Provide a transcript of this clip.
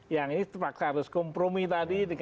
yang ini terpaksa harus kompromi tadi